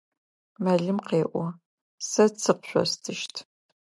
Мэлым къеӏо: Сэ цы къышъостыщт.